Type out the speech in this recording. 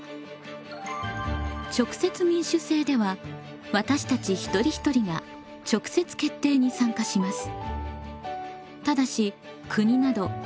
直接民主制では私たち一人一人が直接決定に参加します。